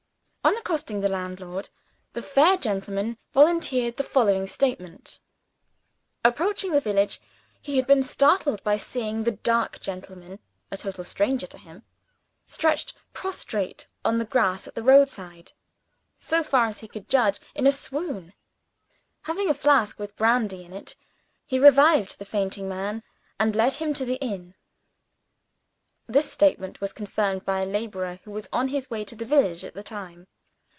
On accosting the landlord, the fair gentleman volunteered the following statement: Approaching the village, he had been startled by seeing the dark gentleman (a total stranger to him) stretched prostrate on the grass at the roadside so far as he could judge, in a swoon. Having a flask with brandy in it, he revived the fainting man, and led him to the inn. This statement was confirmed by a laborer, who was on his way to the village at the time.